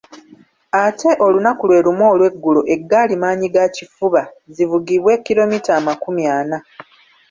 Ate olunaku lwe lumu olw’eggulo eggaali maanyigakifuba zivugibwe kilomita amakumi ana.